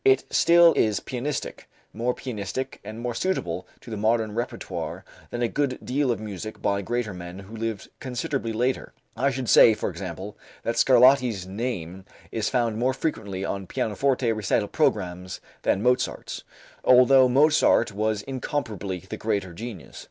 It still is pianistic; more pianistic and more suitable to the modern repertoire than a good deal of music by greater men who lived considerably later. I should say, for example, that Scarlatti's name is found more frequently on pianoforte recital programs than Mozart's, although Mozart was incomparably the greater genius.